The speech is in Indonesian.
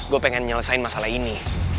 gue pengen nyelesain masalah ini